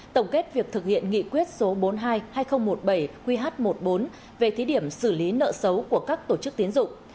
tổng kết việc thực hiện nghị quyết số bốn mươi hai hai nghìn một mươi bảy qh một mươi bốn về thí điểm xử lý nợ xấu của các tổ chức tiến dụng